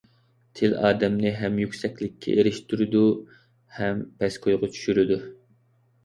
تىل ئادەمنى ھەم يۈكسەكلىككە ئېرىشتۈرىدۇ ھەم پەسكويغا چۈشۈرىدۇ.